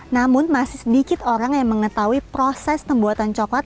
namun masih sedikit orang yang mengetahui proses pembuatan coklat